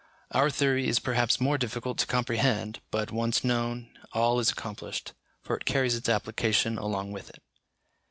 Our theory is perhaps more difficult to comprehend, but once known, all is accomplished, for it carries its application along with it.